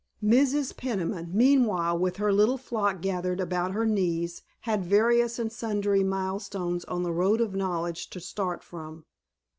Mrs. Peniman meanwhile with her little flock gathered about her knees had various and sundry milestones on the road of knowledge to start from.